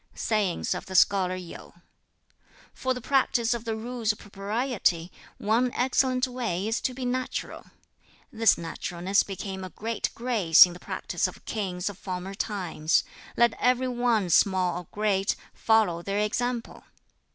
'" Sayings of the Scholar Yu: "For the practice of the Rules of Propriety, one excellent way is to be natural. This naturalness became a great grace in the practice of kings of former times; let everyone, small or great, follow their example.